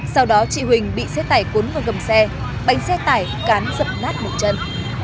sau đó chị huỳnh bị xe tải cuốn vào gầm xe bành xe tải cán dập nát một chân